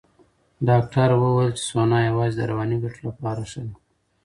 ډاکټره وویل چې سونا یوازې د رواني ګټو لپاره ښه ده.